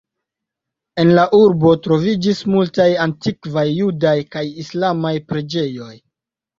En la urbo troviĝis multaj antikvaj judaj kaj islamaj preĝejoj.